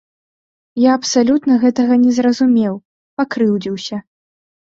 Я абсалютна гэтага не зразумеў, пакрыўдзіўся.